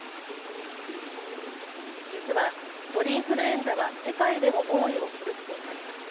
実は鳥インフルエンザは世界でも猛威を振るっています。